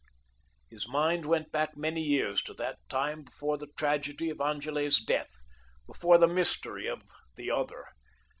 His mind went back many years to that time before the tragedy of Angele's death, before the mystery of the Other.